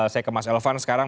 saya ke mas elvan sekarang